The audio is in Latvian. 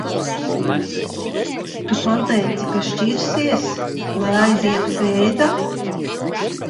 Tu pateici, ka šķirsies, lai aizietu pie Eda?